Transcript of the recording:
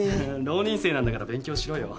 浪人生なんだから勉強しろよ。